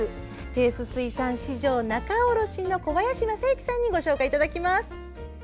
豊洲水産市場仲卸の小林雅之さんにご紹介いただきます。